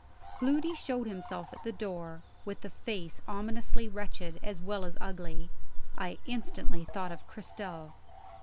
Gloody showed himself at the door, with a face ominously wretched, as well as ugly. I instantly thought of Cristel.